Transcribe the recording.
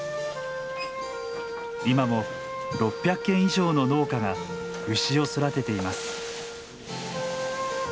今も６００軒以上の農家が牛を育てています。